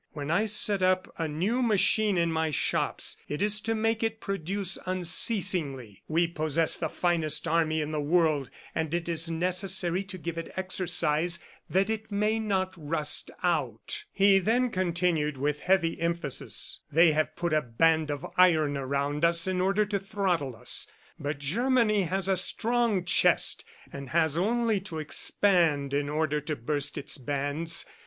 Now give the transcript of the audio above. When I set up a new machine in my shops, it is to make it produce unceasingly. We possess the finest army in the world, and it is necessary to give it exercise that it may not rust out." He then continued with heavy emphasis, "They have put a band of iron around us in order to throttle us. But Germany has a strong chest and has only to expand in order to burst its bands.